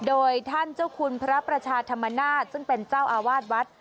โดยท่านเจ้าคุณพระประชาธรรมนาศซึ่งเป็นเจ้าอาวาสวัด